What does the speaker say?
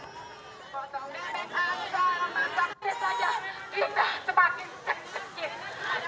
kota udine asal masyarakat saja kita semakin kecil kecil